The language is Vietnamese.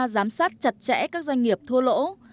giám sát chặt chẽ các doanh nghiệp thua lỗ